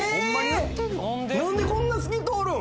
なんでこんな透き通るん？